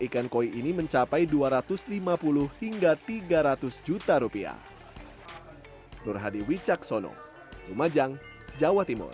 ikan koi ini mencapai dua ratus lima puluh hingga tiga ratus juta rupiah nur hadi wicaksono lumajang jawa timur